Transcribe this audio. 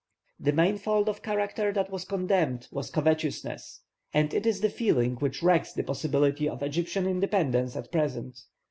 The main fault of character that was condemned was covetousness, and it is the feeling which wrecks the possibility of Egyptian independence at present.